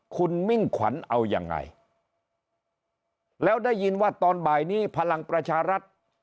คุณมิ่งขวัญเอายังไงแล้วได้ยินว่าตอนบ่ายนี้พลังประชารัฐ